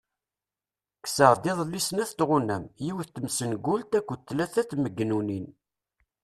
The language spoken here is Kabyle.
Kkseɣ-d iḍelli snat tɣunam, yiwet tmessengult akked tlala tmegnunin.